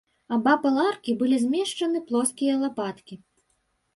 Абапал аркі былі змешчаны плоскія лапаткі.